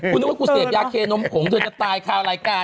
กูนึ่งว่ากูเสพยาเคนมผงเธอจะตายข่าวนายการ